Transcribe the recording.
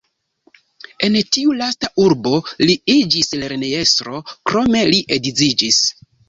En tiu lasta urbo li iĝis lernejestro, krome li edziĝis.